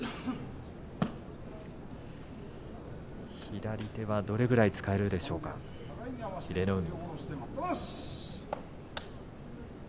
左手はどれぐらい使えるでしょうか英乃海。